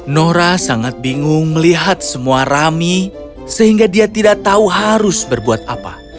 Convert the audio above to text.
nora sangat bingung melihat semua rami sehingga dia tidak tahu harus berbuat apa